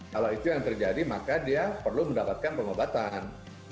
kalau itu yang terjadi maka dia perlu mendapatkan pengobatan